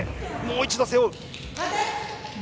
もう一度、背負う。